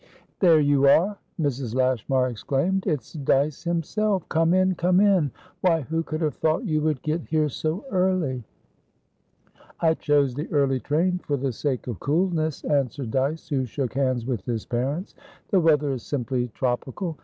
"There you are!" Mrs. Lashmar exclaimed. "It's Dyce himself. Come in! Come in! Why, who could have thought you would get here so early!" "I chose the early train for the sake of coolness," answered Dyce, who shook hands with his parents. "The weather is simply tropical.